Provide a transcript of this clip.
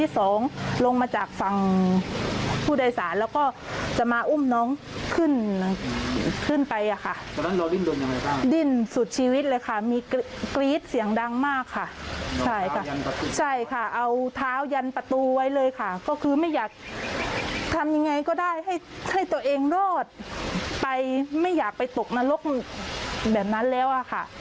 ทำยังไงก็ได้ให้ตัวเองรอดไปไม่อยากไปตกนรกแบบนั้นแล้วค่ะ